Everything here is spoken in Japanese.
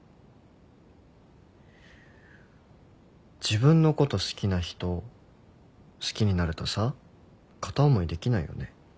自分のこと好きな人好きになるとさ片思いできないよね。